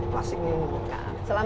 klasik yang nah selamat